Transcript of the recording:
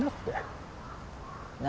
何？